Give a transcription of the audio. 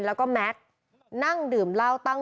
มือไหนมือไหนมือไหน